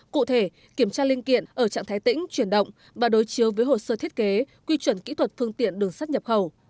cụ thể kiểm tra linh kiện ở trạng thái tĩnh chuyển động và đối chiếu với hồ sơ thiết kế quy chuẩn kỹ thuật phương tiện đường sắt nhập khẩu